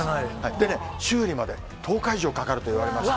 でね、修理まで１０日以上かかると言われまして。